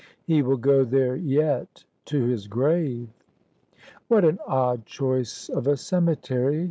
"He will go there yet to his grave." "What an odd choice of a cemetery!"